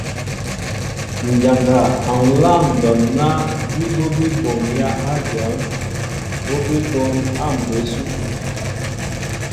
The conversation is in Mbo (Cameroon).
Njana a nláaŋ ndɔn na nzi ɓɔɓi ɓomya a dyɔnn, ɓɔ ɓaa ɓom a mbé supi.